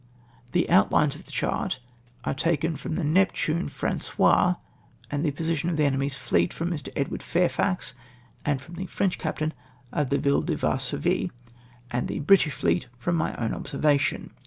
* The outlines of the chart are taken from the Neptune Frangois, and the position of the enemy's fleet from Mr. Edward Fairfax, and from the French captain of the Ville de Varsovie, and . the British fleet from my own observation."